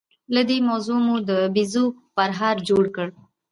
له دې موضوع مو د بيزو پرهار جوړ کړ.